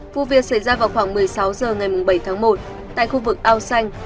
vụ việc xảy ra vào khoảng một mươi sáu h ngày bảy tháng một tại khu vực ao xanh